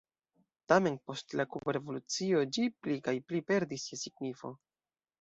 Tamen post la kuba revolucio ĝi pli kaj pli perdis je signifo.